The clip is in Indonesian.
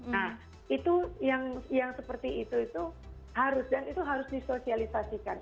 nah itu yang seperti itu dan itu harus disosialisasikan